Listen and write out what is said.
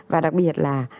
và đặc biệt là